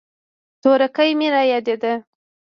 تورکى مې رايادېده.